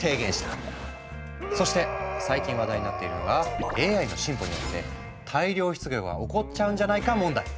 そして最近話題になっているのがＡＩの進歩によって大量失業が起こっちゃうんじゃないか問題。